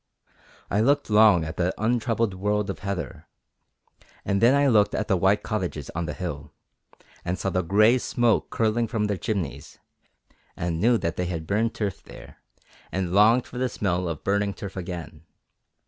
I looked long at that untroubled world of heather, and then I looked at the white cottages on the hill, and saw the grey smoke curling from their chimneys and knew that they burned turf there, and longed for the smell of burning turf again.